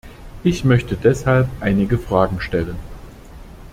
Ich möchte deshalb einige Fragen stellen.